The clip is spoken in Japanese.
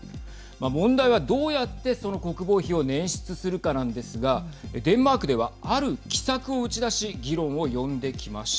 問題はどうやってその国防費を捻出するかなんですがデンマークではある奇策を打ち出し議論を呼んできました。